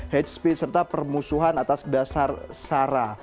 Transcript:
kajian hate speech serta permusuhan atas dasar sara